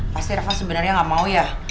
pasti rafa sebenarnya gak mau ya